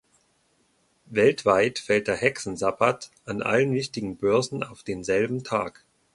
Weltweit fällt der Hexensabbat an allen wichtigen Börsen auf denselben Tag.